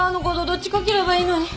どっちか切ればいいのに。